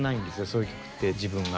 そういう曲って自分が。